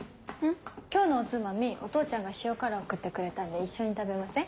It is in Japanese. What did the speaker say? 今日のおつまみお父ちゃんが塩辛送ってくれたんで一緒に食べません？